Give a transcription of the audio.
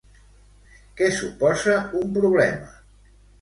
Què suposa un problema?